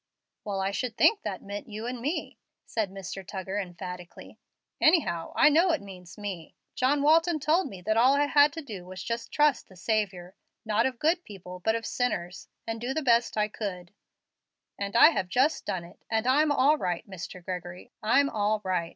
"Well, I should think that meant you and me," said Mr. Tuggar, emphatically. "Anyhow, I know it means me. John Walton told me that all I had to do was to just trust the Saviour not of good people but of sinners, and do the best I could; and I have just done it, and I'm all right, Mr. Gregory, I'm all right.